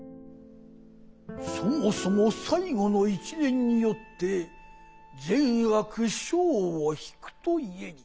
「『そもそも最期の一念によって善悪生を手曳くといへり。